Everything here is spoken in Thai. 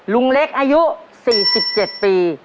ลุงเล็กอายุสี่สิบเจ็ดปี